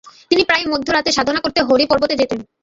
তিনি প্রায়ই মধ্যরাতে সাধনা করতে হরি পর্বতে যেতেন।